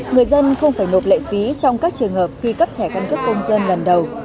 người dân không phải nộp lệ phí trong các trường hợp khi cấp thẻ căn cước công dân lần đầu